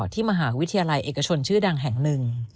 ที่มหาวิทยาลัยเอกชนชื่อดังแห่งหนึ่ง